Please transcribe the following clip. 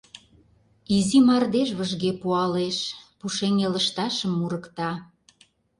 Изи мардеж выжге пуалеш, пушеҥге лышташым мурыкта...